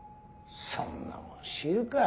そんなもん知るか。